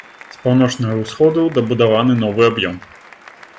З паўночнага ўсходу дабудаваны новы аб'ём.